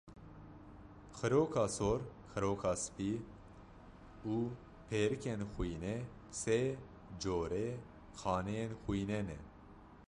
Xiroka sor, xiroka spî û perikên xwînê, sê corê xaneyên xwînê ne.